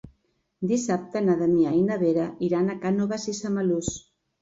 Dissabte na Damià i na Vera iran a Cànoves i Samalús.